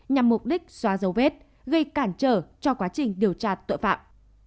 nhằm mục đích xóa dấu vết gây cản trở cho quá trình điều tra tội phạm